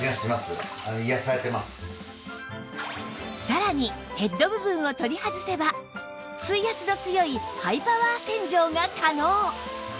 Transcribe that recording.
さらにヘッド部分を取り外せば水圧の強いハイパワー洗浄が可能